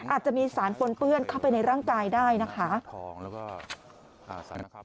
อาจจะมีสารฝนเปื้อนเข้าไปในร่างกายได้นะคะ